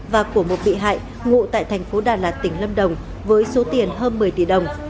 và của một bị hại ngụ tại thành phố đà lạt tỉnh lâm đồng với số tiền hơn một mươi tỷ đồng